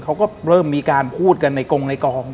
เขาก็เริ่มมีการพูดกันในกงในกอง